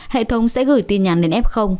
hệ thống sẽ gửi tin nhắn đến f